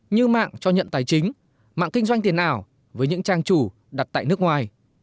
như mạng cho nhận tài chính mạng kinh doanh tiền ảo với những trang chủ đặt tại nước ngoài